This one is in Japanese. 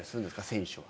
選手は。